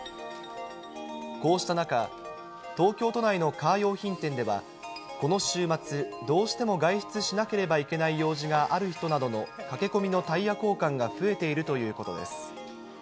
こうした中、東京都内のカー用品店では、この週末、どうしても外出しなければいけない用事がある人などの駆け込みのタイヤ交換が増えているということです。